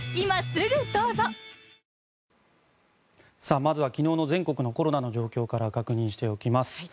まずは昨日の全国のコロナの状況から確認しておきます。